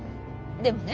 でもね